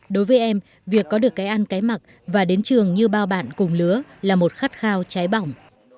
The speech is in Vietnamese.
đối với em việc có được cái ăn cái mặc và đến trường như bao bạn cùng lứa là một khát khao cháy bỏng